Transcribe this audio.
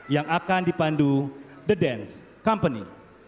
yang akan dipandu the dance company